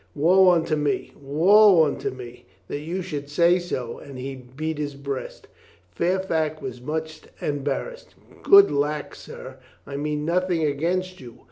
"Woe unto me, woe unto me, that you should say so !" and he beat his breast. Fairfax was much embarrassed. "Good lack, sir, I mean nothing against you.